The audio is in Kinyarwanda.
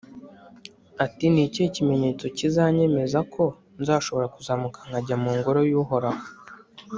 ati «Ni ikihe kimenyetso kizanyemeza ko nzashobora kuzamuka nkajya mu Ngoro y’Uhoraho ?